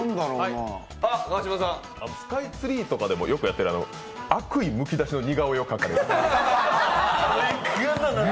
スカイツリーとかでもよくやってる悪意むきだしの似顔絵を描く。